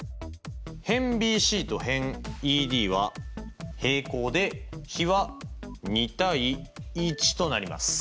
辺ＢＣと辺ＥＤは平行で比は２：１となります。